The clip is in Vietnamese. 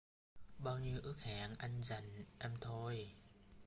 Bao nhiêu ước hẹn anh dành...em thôi.